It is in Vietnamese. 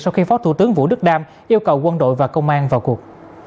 sau khi phó thủ tướng vũ đức đam yêu cầu quân đội và công an vào cuộc